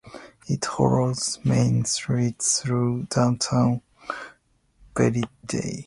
It follows Main Street through downtown Berryville.